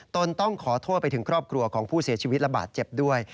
ต้องขอโทษไปถึงครอบครัวของผู้เสียชีวิตระบาดเจ็บด้วย